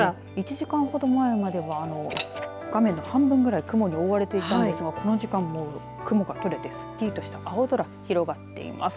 １時間ほど前は画面の半分ぐらい雲に覆われていたんですがこの時間、雲が取れてすっきりとした青空広がっています。